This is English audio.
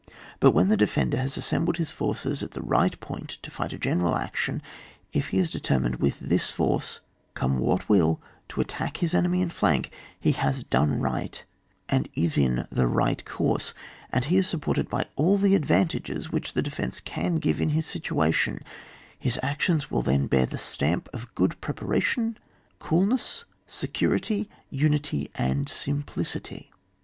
But when the defender has assembled his forces at the right point to fight a general action, if he is determined with this force, come what will, to attack his enemy in flank, he has done right, and is in the right course, and he is supported hgr all the advan tages which the defence can give in his situation ; his actions will then bear the stamp of good preparatiaUf coolness, security , unity and simplicity.